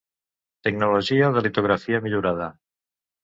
Tecnologia de litografia millorada.